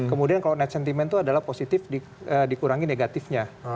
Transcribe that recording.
kemudian kalau net sentiment itu adalah positif dikurangi negatifnya